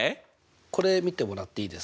これ見てもらっていいですか。